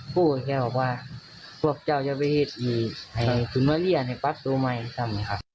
นี่ค่ะเด็กก็ไม่ได้โปรดครูแล้วนี่คุณผู้ชม